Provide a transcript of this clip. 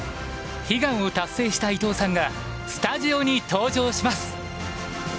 悲願を達成した伊藤さんがスタジオに登場します！